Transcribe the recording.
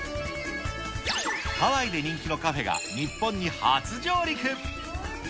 ハワイで人気のカフェが日本に初上陸。